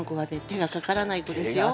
手がかからない子ですよ。